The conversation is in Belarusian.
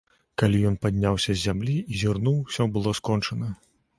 Калі ён падняўся з зямлі і зірнуў, усё было скончана.